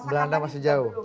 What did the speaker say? belanda masih jauh